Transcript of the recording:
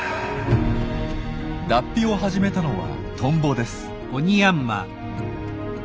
脱皮を始めたのはトンボです。